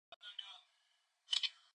잘됐네요.